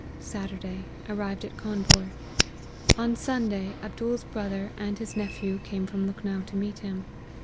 Saturday, arrived at Cawnpore. On Sunday, AbdooFs brother, and his nephew, came from Lukhnow to meet him.